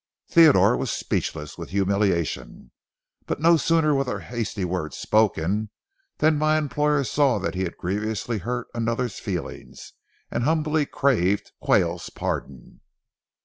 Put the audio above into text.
Theodore was speechless with humiliation, but no sooner were the hasty words spoken than my employer saw that he had grievously hurt another's feelings, and humbly craved Quayle's pardon.